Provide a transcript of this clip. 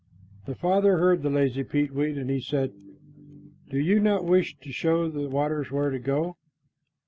The Father heard the lazy peetweet, and he said, "Do you not wish to show the waters where to go?"